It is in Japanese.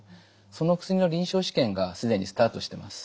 その薬の臨床試験が既にスタートしてます。